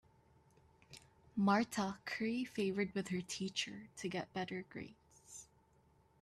Marta curry favored with her teacher to get better grades.